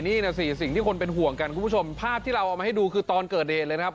นี่นะสี่สิ่งที่คนเป็นห่วงกันคุณผู้ชมภาพที่เราเอามาให้ดูคือตอนเกิดเหตุเลยนะครับ